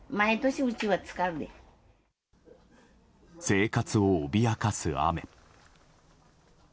生活を脅かす雨。